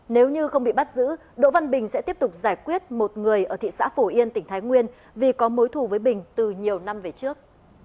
nếu như không bị bắt giữ đỗ văn bình sẽ tiếp tục giải quyết một người ở thị xã phổ yên tỉnh thái nguyên vì có mối thù với bình từ nhiều năm về trước